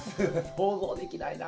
想像できないな。